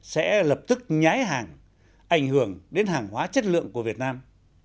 sẽ lập tức nhái hàng ảnh hưởng đến hàng hóa chất lượng của việt nam